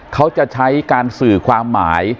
เขาจะใช้การสื่อความหมาย